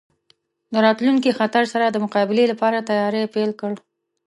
د راتلونکي خطر سره د مقابلې لپاره تیاری پیل کړ.